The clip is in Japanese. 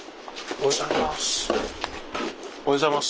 おはようございます。